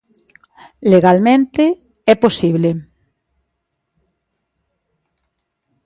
Legalmente é posible.